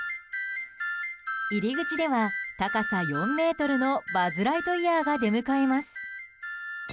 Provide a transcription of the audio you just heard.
入り口では高さ４ｍのバズ・ライトイヤーが出迎えます。